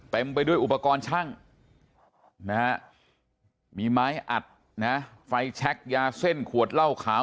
เต็มไปด้วยอุปกรณ์ช่างนะมีไม้อัดนะไฟแชคยาเส้นขวดเล่าขาว